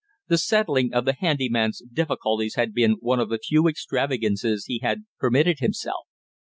The settling of the handy man's difficulties had been one of the few extravagances he had permitted himself.